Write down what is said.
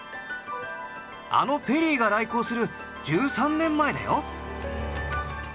あのペリーが来航する１３年前だよ。